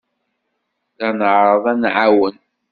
La nɛerreḍ ad nɛawen.